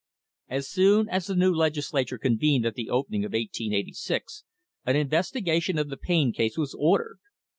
As soon as the new Legislature convened at the opening of 1886 an investigation of the Payne case was ordered.